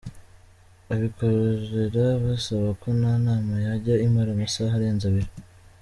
Abikorera basaba ko nta nama yajya imara amasaha arenze abiri.